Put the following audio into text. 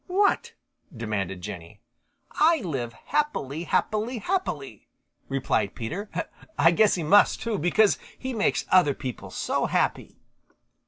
"What?" demanded Jenny. "I live happ i ly, happ i ly, happ i ly," replied Peter. "I guess he must too, because he makes other people so happy."